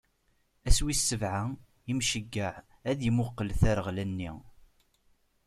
Ass wis sebɛa, Imceyyeɛ ad imuqel tareɣla-nni.